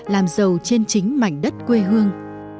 làm giàu trên chính mảnh đất quê hương